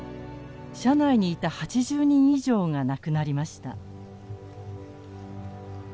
車内にいた８０人以上が亡くなりました。